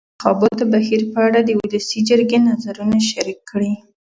ازادي راډیو د د انتخاباتو بهیر په اړه د ولسي جرګې نظرونه شریک کړي.